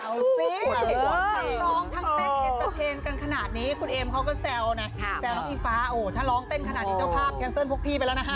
เอาสิทั้งร้องทั้งเต้นเอ็นเตอร์เทนกันขนาดนี้คุณเอมเขาก็แซวนะแซวน้องอิงฟ้าโอ้ถ้าร้องเต้นขนาดนี้เจ้าภาพแคนเซิลพวกพี่ไปแล้วนะคะ